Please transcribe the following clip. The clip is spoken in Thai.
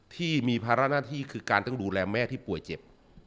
ที่มีภาระหน้าที่คือการต้องดูแลแม่ที่ป่วยเจ็บ